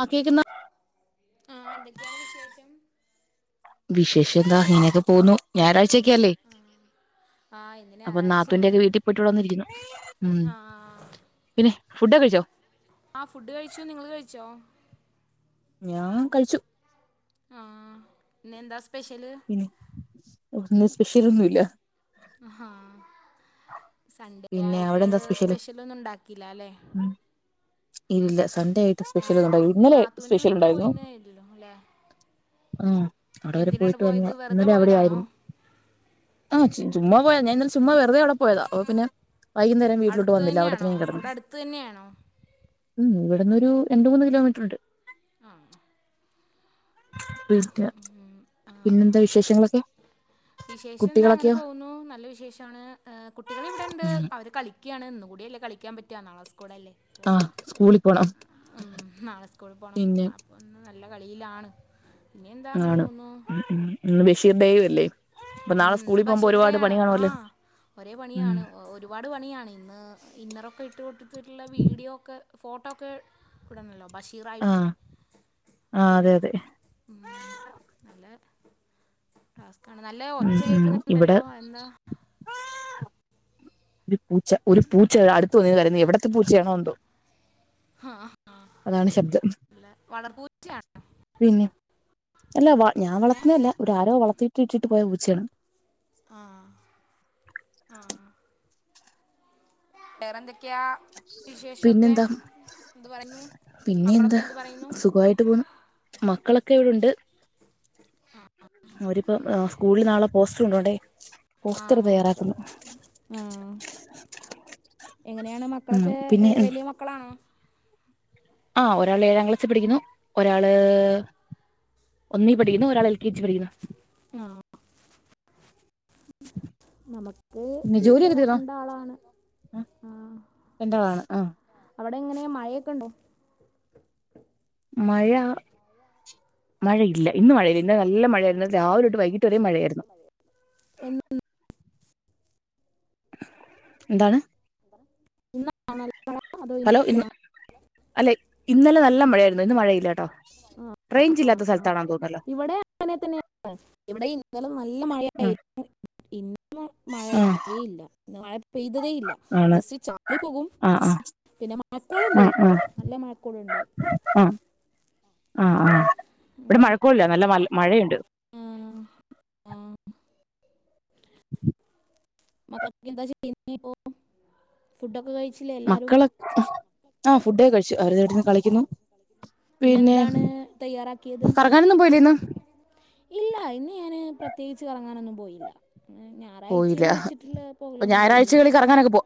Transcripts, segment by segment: ആ കേക്കുന്ന ആ എന്തൊക്കെയാണ് വിശേഷം വിശേഷം എന്താ അ ങ്ങനെയൊക്കെ പോകുന്നു ഞായറാഴ്ചയൊക്കെയല്ലേ ആഹ് ഇന്ന് അപ്പൊ ഞായറാഴ്ചയാണ് നാത്തൂന്റെയൊക്കെ വീട്ടിൽ പോയിട്ട് ഇവിടെ വന്നിരിക്കുന്നു. ഉം ആഹ് പിന്നെ. ഫുഡൊക്കെ കഴിച്ചോ? ആ ഫുഡ് കഴിച്ചു. നിങ്ങൾ കഴിച്ചോ? ഞാൻ കഴിച്ചു ആ... ഇന്നെന്താ സ്പെഷ്യല് പിന്നെ [inaudible] സ്പെഷ്യലൊന്നുംല്ല അഹാ.. സൺഡേ പിന്നെ അവിടെ ആയിട്ട് എന്താ സ്പെഷ്യല് സ്പെഷ്യലൊന്നും ഉണ്ടാക്കിയില്ല അല്ലേ. ഇല്ല സൺഡേ ആയിട്ട് ആഹ് സ്പെഷ്യൽഒന്നും ഇന്ന് ഉണ്ടായി രുന്നില്ല പിന്നെ ഇന്നലെ നാത്തൂന്റെ സ്പെഷ്യൽ വീട്ടിൽ ഉണ്ടായിരുന്നു പോയിണ്ടായില്ലോ അല്ലേ ആ.. അവിടെ വരെ എന്തിനാണ് പോയിട്ട് വന്നു. പോയത് വെറുതെ ഇന്നലെ പോയതാണോ അവിടെയായിരുന്നു ആ ചുചുമ്മാ പോയാ ഞാൻ ചുമ്മാ വെറുതെ അവിടെപോയതാ അപ്പോ പിന്നെ വൈകുന്നേരം വീട്ടിലോട്ട് അടുത്ത് വന്നില്ല അവിടത്തന്നെ തന്നെയാണോ ഞാൻ അവിടെ ങ്ങ്കിടന്ന് അടുത്ത് തന്നെയാണോ ഉം ഇവിടന്നൊരു രണ്ട് മൂന്ന് കിലോമീറ്റർറുണ്ട് ആഹ്അ. [inaudible] ആഹ് പിന്നെന്താ വിശേഷങ്ങളൊക്കെ വിശേഷം ന്താ അങ്ങനെ കുട്ടികളൊക്കെയോ പോകുന്നു. നല്ല വിശേഷമാണ്. കുട്ടികള് ഇവിടെ ഉണ്ട് അവര് കളിക ക്യാണ് ഇന്നു കൂടില്ലേ കളിക്കാൻ പറ്റ നാളെ സ്കൂളല്ലേ. ആ പ്പോഊം സ്കൂളിൽ പോണം ഹ് നാളെ സ്കൂളിൽ പോണം പിന്നെ അപ്പോൾ ഇന്ന് നല്ല കളിയിലാണ് ഇനി എന്താ അങ്ങനെ ആണ് പോകുന്നു മ് മ് ഇന്ന് ബഷീർ ടേയുഅ ല്ലേ ഉം ന്ത് ബഷീറിടെയാണ് ആ. ഒരേ ഉം പണിയാണ് ഒരു പാട് പണിയാണ് ഇന്ന്. ഇന്നറൊക്കെ ഇട്ട്കൊടുത്തിട്ടുള്ള വീഡിയോ ഒക്കെ ഫോട്ടോൊക്കെ [inaudible] ഇടണല്ലോ ബഷീറായിട്ടുള്ളേ.. ആഹ് ആഹ് ക്കേ അതെ അതെ ഉം.. നല്ല ടാസ്ക്കാണ് നല്ല ഉം ഒച്ച ഉം ഇവിടെ കേൾക്കുന്നുണ്ടല്ലോ അതെന്താ ദേ പൂച്ച ഒരു പൂച്ച യതാ അടുത്ത് വന്ന് കരയുന്നു എവിടത്തെ പൂച്ചയാണോഎന്തോ അതാണ് ശബ്ദംജ് നല്ല വളർപ്പൂച്ചയാണ് പിന്നെ.. അല്ല വ ഞാൻ ഏ വളർത്തുന്നല്ല ഒര ആരോ വളർത്തിട്ട് ഇട്ടിട്ട് പോയ പൂച്ചയാണ് ആഹ്... ആ... ഹ് വേറെന്തൊക്കെയാ വിശേഷൊക്കെ എന്തു പറന്നു പിന്നെയെന്താ സുഖവായിട്ട് പോന്ന് മക്കളൊക്കെ ഇവിടൊണ്ട് ഒരിപ്പ സ്കൂളിൽ നാളെ പോസ്റ്ററ് കൊണ്ടോണ്ടേ പോസ്റ്റർ ആഹ് തയ്യാറാക്കുന്നു ആഹ് എങ്ങനെയാണ് ഉം മക്കളൊക്കെ പിന്നെ വലിയ മക്കളാണോ ആ ഒരാളേഴാം ക്ലാസ്സി പഠിക്കുന്നു ഒരാള് ഒന്നി പഠിക്കുന്നു ഒരാളെൽ കെ ജി പഠിക്കുന്നു ആഹ് നമക്ക് പിന്നെ ഇവിടെ ജോലിയൊക്കെ തീർന്നോ രണ്ടാളാണ് ആഹ് രണ്ടാളാണ് ആ അവിടെങ്ങനെയാ മയെക്കെണ്ടോ മഴ മഴയില്ല ഇന്ന് മഴയില്ല ഇന്നലെ നല്ല മഴായിര്ന്ന് രാവിലൊട്ട് വൈകിട്ട് ട്ടൊരെം മഴയാരുന്നു എ [unintelligible] ന്താ [unintelligible] ഇന്നാണ് നല്ല മഴ അതോ ഹലോ ഇന്ന് ഇന്നലെയാണ് അല്ലെ ഇന്നലെ നല്ല മഴയായിരുന്നു ഇന്ന് മഴയില്ല കേട്ടോ ആ ആ. റേഞ്ച്ല്ലാത്ത ഇവിടെ അങ്ങനെ തന്നെയ ഇവിടെ ഇന്നലെ നല്ല ഉം മഴയായിരുന്നു ഇന്ന് മഴ ആഹ് ഇല്ലേ ഇല്ല മഴ പെയ്തതേ ഇല്ല ആണ് ജസ്റ്റ് ചാറി പോകും ആഹ് ആഹ് പിന്നെ മഴക്കോള്ണ്ട് ആഹ് കേട്ടോ ആഹ് നല്ല മഴക്കോള്ണ്ട് ആഹ് ആഹ് ആഹ് ഇവിടെ മഴക്കോളില്ല നല്ല മഴണ്ട് ആഹ് ആഹ് ഉ മക്കളൊക്കെ എന്താ ചെയ്യ്ന്നെ ഇപ്പോ ഫുഡൊക്കെ കഴിച്ചില്ലേ എല്ലാരും മക്കള് ആഹ് ഫുഡ് കഴിച്ച് ച്ച് അവര് ദേവിട്ന്ന് കളിക്ക്ന്നു പിന്നെ എന്താണ് തയ്യാറാക്കിയത് കറങ്ങാനൊന്നും പോയില്ലേ ഇന്ന് ഇല്ല ഇന്ന് ഞാന് പ്രത്യേകിച്ച് കറങ്ങാനൊന്നും പോയില്ല പോയില്ല ഞാറാഴ്ചേന്ന് വെച്ചിട്ടുള്ള അപ്പൊ പോകലൊന്നും പോയില്ല ഞായറാഴ്ചകളിൽ കറങ്ങാനൊക്കെ പോ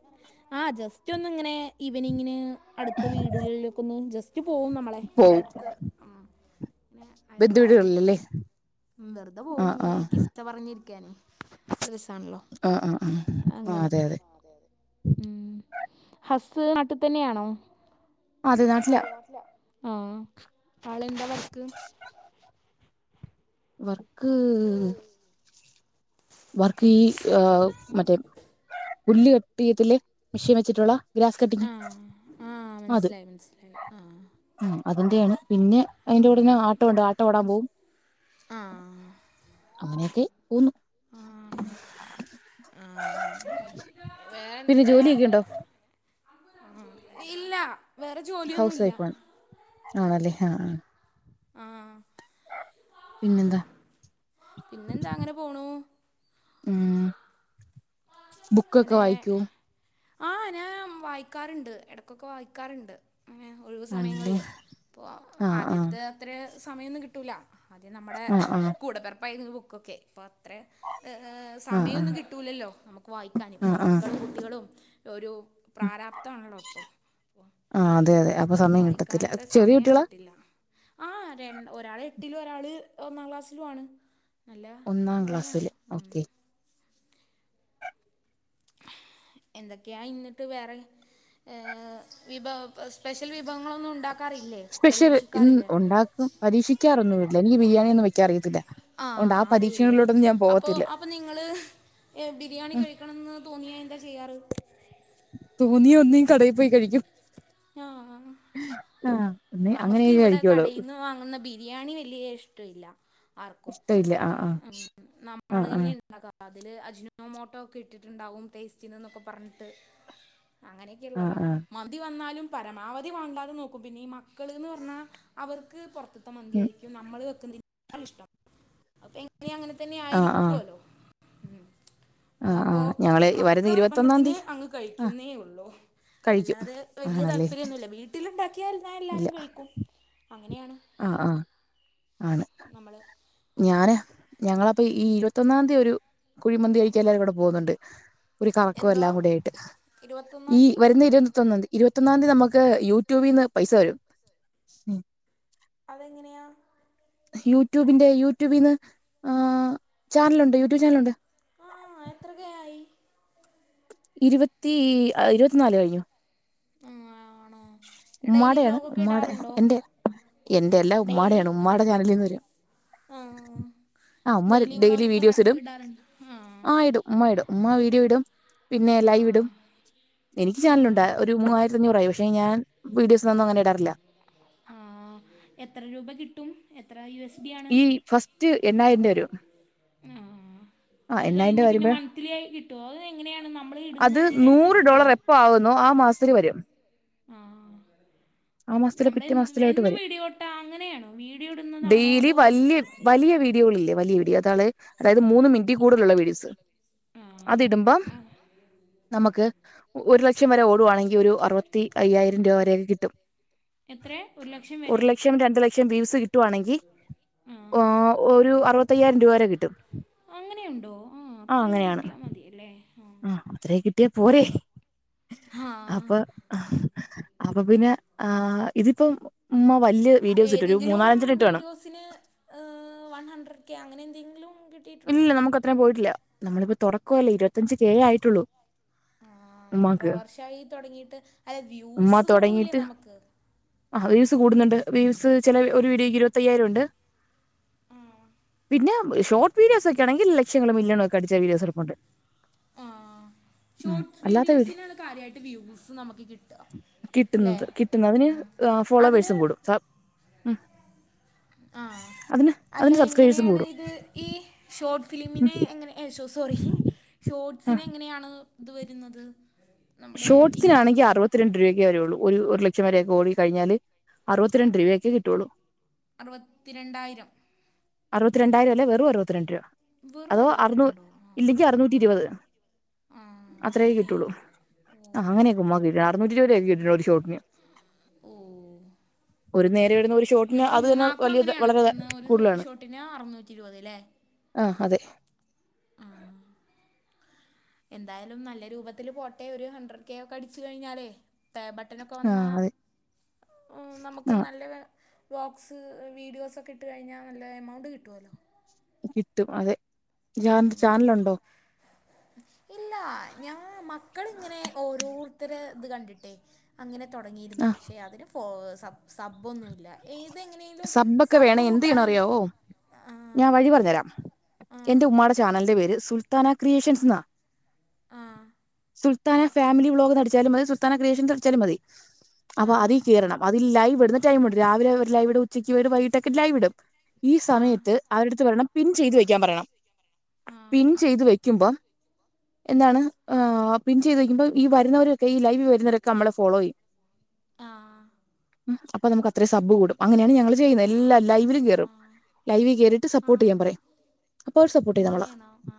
ആഹ ജസ്റ്റ് ഒന്നിങ്ങനെ ഈവനിങ്ങിന് അടുത്ത വീടുകളിലേക്കൊന്ന് ജസ്റ്റ് പോകുന്ന നമ്മളെ ഇവിടെ പോവും അടുത്ത് ഉം ഇങ്ങനെ ബന്ധു അയൽവാസിഹ വീടുകളിലല്ലേ വെറുതെ ആഹ് പോവുങ്ങനെ ആഹ് ച്ച പറഞ്ഞിരിക്കാനേ ഒരു രസാണല്ലോ ആഹ് ആഹ് ആഹ് ആഹ് അതെ അതെ അതെ അതെ ഉം ഹസ് നാട്ടി തന്നെയാണോ അതെ നാട്ടിലാ ആഹ് ആളെന്താ വർക്ക് വർക്ക് വർക്കീ മറ്റേ പുല്ല കട്ടിയെത്തില്ലേ മെഷീൻ വെച്ചിട്ടുള്ള ഗ്രാസ് കട്ടിങ് ആ ആ അത് മനസ്സിലായി മനസ്സിലായി ആ ഉം അതിന്റെയാണ്. പിന്നെ അയ്ന്റൂടന്നെ ആട്ടോണ്ട് ആട്ടൊ ഓടാൻ പോകും ആഹ് അങ്ങനെയൊക്കെ പോന്ന് ആഹ് [unintelligible] വേ പിന്നെ ന്തെക്കെയാ ജോലിയൊക്കെ ഉണ്ടോ ഉം ഇല്ല വേറെ ഹൗസ് ജോലിയൊന്നുമില്ല വൈഫാണ് ആണല്ലെ ഹാ ആഹ് പിന്നെന്താ പിന്നെന്താ അങ്ങനെ പോണു ഉം ബുക്കൊക്കെ വായിക്കോ ആഹ് ഞാ വായിക്കാറിണ്ട് എടക്കൊക്കെ വായിക്കാറിണ്ട് [unintelligible] ഒഴിവു ആണല്ലേ സമയങ്ങളില് ഇപ്പോ ആഹ് ആഹ് ആദ്യത്തെ അത്രേ സമയൊന്നും കിട്ടൂല ആദ്യം നമ്മടെ ആഹ് ആഹ് കൂടെപ്പിറപ്പായിരുന്നു ബുക്കൊക്കെ ഇപ്പോ അത്ര ആഹ് സമയൊന്നും ആഹ് കിട്ടൂലല്ലോ നമുക്ക് വായിക്കാൻ ഇപ്പോ ആഹ് ആഹ് മക്കളും കുട്ടികളും ഒരു പ്രാരാപ്താണല്ലോ ഇപ്പൊ ആഹ് അതെ അതെ അപ്പൊ സമയം കിട്ടത്തില്ല, ചെറിയ കുട്ടികളാ? ആഹ് ഒരാള് എട്ടിലും ഒരാള് ഒന്നാം ക്ലാസ്സിലു ആണ് നല്ല ഒന്നാം പണിയാണ് ക്ലാസ്സില് ഉം. ഓക്കെ എന്തൊക്കെയാ ഇന്നിട്ട് വേറെ? ഏ വിഭവ സ്പെഷ്യൽ വിഭവങ്ങളൊന്നും ഉണ്ടാക്കാറില്ലേ, സ്പെഷ്യൽ ഇന്ന് പരീക്ഷിക്കാറില്ലേ? ഉണ്ടാക്കും. പരീക്ഷിക്കാറൊന്നുവില്ല എനിക്ക് ബിരിയാണി ഒന്നും വെക്കാൻ അറിയത്തില്ല, അതുകൊണ്ട് ആ പരീക്ഷണങ്ങളിലോട്ടൊന്നും ഞാൻ പോവത്തില്ല. അപ്പ നിങ്ങള് ബിരിയാണി കഴിക്കണമെന്ന് തോന്നിയാൽ എന്താ ചെയ്യാറ്? തോന്നിയ ഒന്നി കടയിൽ പോയി കഴിക്കും ആഹ്. നീ നമ്മക്ക് അങ്ങനെയൊക്കെ ഇവിടെ കഴിക്കുള്ളൂ കടയിന്ന് വാങ്ങുന്ന ബിരിയാണി വലിയ ഇഷ്ടില്ല ആർക്കും. ഇഷ്ടമില്ല പക്ഷെ ആഹ് ആഹ് നമ്മള് തന്നെ ഇണ്ടാക്കാ. അതില് അജിനോ മോട്ടോ ഒക്കെ ഇട്ടിട്ടുണ്ടാവും ടേസ്റ്റിന് എന്നൊക്കെ പറഞ്ഞിട്ട് അങ്ങനൊ ആഹ് ആഹ് ക്കിള്ളത ആഹ് ആഹ് മന്തി വന്നാലും പരമാവധി വാണ്ടാതെ നോക്കും പിന്നെ ഈ മ ക്കള് എന്ന് പറഞ്ഞാ അവർക്ക് പൊറത്ത്ത്തെ ഉം മന്തിയായിരിക്കും നമ്മള് വെക്കുന്നതേക്കാൾ ഇഷ്ടം. അപ്പൊ [unintelligible] അങ്ങനെ തന്നെ ആഹ് ആഹ് ആയിരിക്കുവല്ലോ ഉം. ആഹ് അപ്പോ ഞങ്ങള് വരുന്ന മക്കളെ ഇരുപത്തൊന്നാം നിർബന്ധത്തിന് തീയതി അങ്ങ് ആഹ് കഴിക്കുന്നേ ഉള്ളു. കഴിക്കും അല്ലാതെ വലിയ ആണല്ലേ താല്പര്യം ഒന്നുമില്ല വീട്ടില് ഉണ്ടാക്കിയാ എല്ലാ ഇല്ല എല്ലാരും കഴിക്കും അങ്ങനെയാണ്. ആഹ് ആഹ് ആണ്. നമ്മള് ഞാന് ഞങ്ങള് അപ്പൊ ഈ ഇരുപത്തൊന്നാം തീയതി ഒരു കുഴിമന്തി കഴിക്കാൻ എല്ലാരും കൂടെ പോകുന്നുണ്ട്. ഒരു കറക്കോം എന്തോ എല്ലാം കൂടി ആയിട്ട് ഈ ഇരുപത്തൊന്നാം തീയതി വരുന്ന ഇരുപതൊന്നാം തീയതി ഇരുപത്തൊന്നാം തീയതി നമുക്ക് യൂട്യൂബിന്ന് പൈസ വരും. അതെങ്ങനെയാ? യൂട്യൂബിന്റെ യൂട്യൂബീന്ന് ചാനലുണ്ട് യൂട്യൂബ് ചാനലുണ്ട്. ആഹ് എത്ര കെ ആയി? ഇരുപത്തി ഇരുപത്തിനാല് കഴിഞ്ഞു. ആഹ് ആണോ ഡെയിലി ഉമ്മാടെയാണ് ബ്ലോഗൊക്കെ ഉമ്മാടെ ഇടാറുണ്ടൊ? എന്റെ എന്റെ അല്ലാ ഉമ്മാടെയാണ് ഉമ്മാടെ ചാനലിൽ നിന്ന് വെരാ ആ ആഹ് ഉമ്മ ഡെയിലി വ്ളോഗൊക്കെ ര വീഡിയോസ് ഇടും ഇടാറുണ്ട് ആ ഇടും. ഉമ്മ ഇടും ഉമ്മ വീഡിയോ ഇടും പിന്നെ ആ ലൈവ് ഇടും. എനിക്ക് ആ ചാനലുണ്ട് ഒരു മൂവായിര ത്തഞ്ഞൂറായി പക്ഷെ ഞാൻ വീഡിയോസ് ഒന്നും അങ്ങനെ ഇടാറില്ല. ഹാ എത്ര രൂപ കിട്ടും? എത്ര യു എസ് ബി ആണ്? ഈ ഫസ്റ്റ് എണ്ണായിരം രൂപ വരും ആഹ്. ആ അത് എണ്ണായിരം കഴിഞ്ഞ് രൂപ പിന്നെ വരുമ്പോ മന്ത്‌ലി ആയി കിട്ടൊ? അത് എങ്ങനെയാണ് നമ്മള് അത് ഇടുന്നതിന് നൂറ് അനുസരിച്ച് ഡോളർ എപ്പൊ ആകുന്നോ ആ മാസത്തിൽ വരും. ആ മാസത്തിലെ നമ്മടെ പിറ്റേ മാസത്തിലായിട്ട് എന്നും വരും വീഡിയോട്ടാ അങ്ങനെയാണോ വീഡിയോ ഇടുന്നതാണോ ഡെയിലി അതോ? വലിയ വലിയ വീഡിയോകളില്ലേ വലിയ വീഡിയോ അതാളെ അതായത് മൂന്ന് മിനിറ്റി കൂ കൂടുതലുള്ള വീഡിയോസ് ആ അത് ഇടുമ്പം ആ നമുക്ക് ഒരു ലക്ഷം വരെ ഓ ടുവാണെങ്കിൽ ഒരു അറുപത്തി അയ്യായിരം രൂപ വരൊക്കെ കിട്ടും. എത്ര ഒരു ലക്ഷം ഒരു വരെ ലക്ഷം രണ്ട് ലക്ഷ ക്ഷം വ്യൂസ് കിട്ടുവാണെങ്കിൽ ആ ഒരു അറുപത്തയ്യായിരം രൂപ വരെ കിട്ടും. അങ്ങനെയുണ്ടോ ആ അത്രയൊക്കെ കിട്ടിയാൽ മതിയല്ലേ ആഹ്. ആ അത്രേ കിട്ടിയാപ്പോരെ ആ അപ്പൊ ആഹ് അപ്പപ്പിന്നെ ആ ഇതിപ്പം ഉമ്മ വല്ല്യ വീഡിയോസിട്ട് ഒരു മൂന്നാലഞ്ചണ്ണം ഇട്ട് കാണും കൊസിന് വൺ ഹൺഡ്രഡ് കേ അങ്ങനെന്തെങ്കിലും കി ഇല്ല നമുക്ക് അത്ര പോയിട്ടില്ല നമ്മളിപ്പോ തുടക്കല്ലേ ഇരുപത്തഞ്ചച് കെ ആയിട്ടുള്ളൂ ആ എത്ര ഉമ്മാക്ക് വർഷയി തുടങ്ങിട്ട് അല്ലെ ഉമ്മ വ്യൂസ് കൂടൂല്ലേ തുടങ്ങിയിട്ട് നമുക്ക് ആ വ്യൂസ് കൂടുന്നുണ്ട് വ്യൂസ് ചില ഒരു വീഡിക്ക് ക്ക് ഇരുപത്തയ്യായിരം ഉണ്ട് ആ പിന്നെ ഷോർട്ട് വിടിയോസ് ഒക്കെ ആണെങ്കിൽ ലക്ഷങ്ങളൾ മില്ലണക്കെ അടിച്ച വീടിസ്പ്പുണ്ട് ആ ഷോർട്സ് വീഡിയോസിനാണ് കാര്യമായിട്ട് വ്യൂസ് നമുക്ക് കിട്ട അല്ലെ കിട്ടുന്നത് കിട്ടുന്നതിന് ഫോളോവേഴ്സും കൂടും സ മ്മ് ആ അല്ല സബ്സ്ക്രൈബേഴ്സും എങ്ങനെയാണ് കൂടും ഇത് ഈ ഷോർട്ട് ഉം ഫിലിമിനെ എങ്ങനെ സോറി ആ ഷോർട്സിനെ എങ്ങനെയാണ് ഇത് വരുന്നത് നമ്മുടെ ഇൻകം ഷോട്ട്സിനാണെങ്കി അറുപത്തി പത്തിരണ്ട് രപൊക്ക വേയുള്ളൂ ഒരു ലക്ഷം വരെ ഒക്കെ ഓടി കഴിഞ്ഞാ അറുപത്തി രണ്ട് രൂപയക്കെ കിട്ടുകയുള്ളൂ അറുപത്തിരണ്ടായിരം അറുപത്തിരണ്ടായിരം അല്ല വെറും അറുപത്തിരണ്ട് രൂപ വെറും അതോ അറൂ അറുപത്തിരണ്ടോ ആ ഇല്ലെങ്കിൽ അറുന്നൂറ്റി ഇരുപത് ആ അങ്ങനെ ഓ അറിനൂറ്റി ഇരുപത് രോപയൊക്കെ ഷോർട്ടിന് ഓ ഒരു നേരെം വരുന്ന ഒരു ഷോട്ടിന് നിങ്ങൾ അത് തന്നെ ഉമ്മാക്കും വലിയ അങ്ങനെയാണോ വളരെ കിട്ടുന്ന ഒരു കൂടുതലാണ് ഷോട്ടിന് അറുുന്നൂറ്റി ഇരുപത് ല്ലേ ആ അതെ എന്തായാലും നല്ല രൂപത്തിൽ പോട്ടെ ഒരു ഹൺഡ്രഡ് കെ ഒക്കെ അടിച്ചു കഴിഞ്ഞാലേ പേ ബട്ടനൊക്കെ ആ വന്നാൽ അതെ നമുക്ക് ആ നല്ല ബ്ലോഗ്സ് വീഡിയോസൊക്കെ ഇട്ട് കഴിഞ്ഞാ നല്ല എമൗണ്ട് കിട്ടുമല്ലോ കിട്ടും അതെ ഇയാക്ക് ചാനലുണ്ടോ ഇല്ല ഞാൻ മക്കളിങ്ങനെ ഓരോരുത്തരെ ഇത് കണ്ടിട്ടേ അങ്ങനെ തുടങ്ങിയിരുന്നു ആ പക്ഷെ അതിന് ഫ സബ് സബോന്നുമില്ല ഏതെങ്ങനെയ സബ്ബൊക്കെ വേണ എന്ത്തു ചെയ്യണ അറിയാവോ ആ ഞാൻ വഴി പറഞ്ഞതരാം ആ എന്റെ ഉമ്മാടെ ചാനലൻറെ പേര് സുൽത്താന ക്രിയേഷൻസ് ന്നാ ആ സുൽത്താന ഫാമിലി ബ്ലോഗ് ന്നടിച്ചാലും മതി സുൽത്താന ക്രിേയേഷൻടിച്ചാലും മതി അപ്പൊ ആ അതീ കേറണം അതി ലൈവ് ഇടന്ന് ടൈം രാവിലെ അവ ലൈവട ഉച്ചക്ക് വ വൈകിട്ടൊക്കെ ലൈവ ഇടും ഈ ആ സമയത്ത് അവരുടുത്ത് പറരണം പിൻ ചെയ്ത് വെക്കാൻ പറയണം ആ പിൻ ചെയ്ത് വെക്കുമ്പോം എന്താണ് പിന് ചെയ്ത്ക്കുമ്പോ വരുന്നവരൊക്കെ ഈ ലൈവ് വരുന്നരക്കെ നമ്മള ഫോളോ ചെയ്യും ആ ഉം അപ്പൊ നമു അത്ര സബ് കൂടും അങ്ങനെയാണ് ഞങ്ങള് ചെയ്യ ആ എല്ലാം ലൈവിലും ആ കേറും ലൈവി കേറിട്ട് ആ സപ്പോർട്ട് ചെയ്യാൻ പറയും അപ്പോ അവര് സപ്പോർട്ട് ചെയ് നമ്മളാ അങ്ങനെയാണോ ആ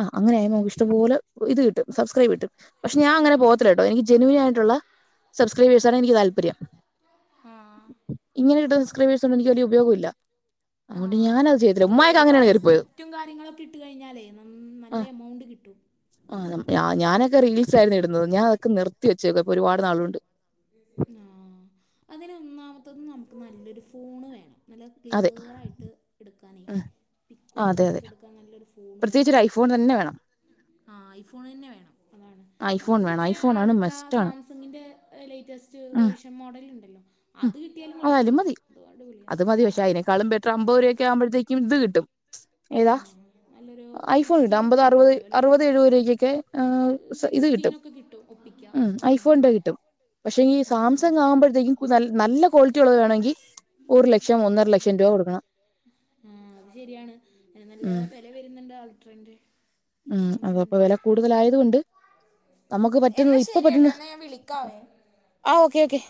ആ അങ്ങനെയായ നമക്ക് ഇഷ്ട്ടംപോലെ ഇത് കട്ടും സബ്സ്ക്രൈബ് കിട്ടും പക്ഷെ ഞാ ആ അങ്ങനെ പോത്തില്ലട്ടോ എക്ക് ജെനുവിനായിട്ടുള്ള സബ്സ്ക്രൈബേഴ്സ് ആണ് എനിക്ക് താല്പര്യം ആ ഇങ്ങനെ ഇട്ട സംക്രൈബേഴ് എനിക്ക്ലിയ ഉപയോഗ ഇല്ല അതുകൊണ്ട് ഞാൻ ആഹ് ഇപ്പോ ഒരുപാട് സ്ക്രിപ്റ്റും കാര്യങ്ങളൊക്കെ ഇട്ട് കഴിഞ്ഞാലേ ന ആ നല്ല എമൗണ്ട് കിട്ടും ആ ഞാനൊക്കെ റീൽസ് ആയിരുന്നു ഇടുന്നത് ഞാൻതൊക്കെ നിർത്തി വെച്ചേക്ക ഇപ്പൊ ഒരുപാട്നാളുണ്ട് ആ അതിന് ഒന്നാമത്തത് നമുക്ക് നല്ലൊരു ഫോണ് വേണം നല്ല അതെ ക്ലീർ ആയിട്ട് എടുക്കാനേ ഉം പിക്കും ആ അതെ അതെ കാര്യങ്ങളൊക്കെ എടുക്കാൻ നല്ലൊരു ഫോ പ്രത്യേകിച്ച് ഒരു ഐഫോൺ തന്നെ വേണം ആ ഐഫോൺ തന്നെ വേണം അതാണ് ഐഫോൺ അല്ലെങ്കിൽ വേണം പിന്നെ ഐഫോണാണ് അൾട്രാ മസ്റ്റാണ് സാംസങിന്റെ ലേറ്റസ്റ്റ് ഉം വേർഷൻ മോഡലുണ്ടല്ലോ ഉം അത് കിട്ടിയാലും കൊഴപ്പല്ല അതുകൊണ്ട് വിളിയ ക്കാളും ബെറ്റർ അമ്പൊരൂപക്കാവുമ്പഴത്തേക്കും ഇത് കിട്ടും ഏതാ ആഹ് നല്ലൊരു ഐ ഫോണിട്ടും സിക്സ്റ്റീനൊക്കെ അമ്പത്, അറുപത്, കിട്ടുവല്ലോ അല്ലേ അറുപത്, എഴുവരുവകൊക്കെ, ആഹാ ഇത് കിട്ടും. സിക്സ്റ്റീനൊക്കെ ഒപ്പിക്ക ഉം ആഹ് ഐഫോണിന്റെ കിട്ടും പക്ഷെ- ഈ ആഹ് സാംസങ് ആവുമ്പഴ്ത്തേക്കും- [inaudible] നല്ല ക്വാളിറ്റി ഉള്ളത് വേണെങ്കിൽ ഒരു ലക്ഷം, ഒന്നര- ലക്ഷംരൂപ കൊടുക്കണം. ആഹാ അത് ശരിയാണ് ആഹാ നല്ല ഉം വില വരുന്നുണ്ട് അൾട്രാന്റെ. ഉം അത അപ്പോ വില കൂടുതലായതുകൊണ്ട്- നമുക്ക് പറ്റുന്നത് എന്നാ ഇപ്പോ ശരി കേട്ടോ പറ്റുന്ന, എന്നാ ഞാൻ വിളിക്കാവേ ആഹാ ഓക്കെ.. ഓക്കെ... !